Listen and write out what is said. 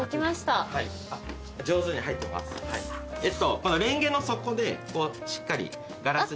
このれんげの底でしっかりガラスに。